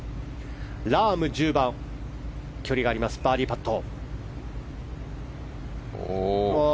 ラーム、１０番距離のあるバーディーパット。